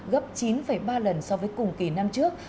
gấp chín ba lần so với cùng kỳ năm trước